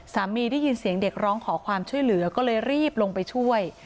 ได้ยินเสียงเด็กร้องขอความช่วยเหลือก็เลยรีบลงไปช่วย